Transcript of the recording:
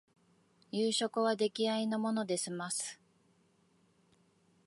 夕食は出来合いのもので済ます